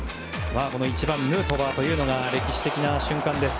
１番、ヌートバーというのが歴史的な瞬間です。